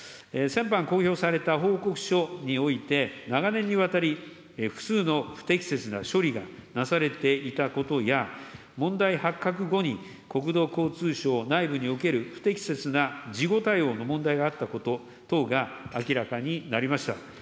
先般公表された報告書において、長年にわたり、複数の不適切な処理がなされていたことや、問題発覚後に、国土交通省内部における不適切な事後対応の問題があったこと等が明らかになりました。